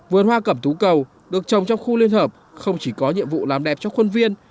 vườn hoa cẩm thú cầu được trồng trong khu liên hợp không chỉ có nhiệm vụ làm đẹp cho khuôn viên